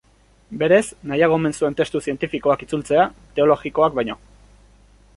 Berez, nahiago omen zuen testu zientifikoak itzultzea, teologikoak baino.